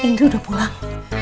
kak indri udah pulang